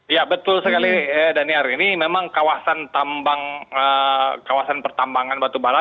ya betul sekali daniar ini memang kawasan pertambangan batubara